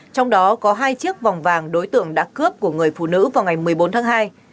trong đó có hai chiếc vòng vàng đối tượng đã cướp của người phụ nữ vào ngày một mươi bốn tháng hai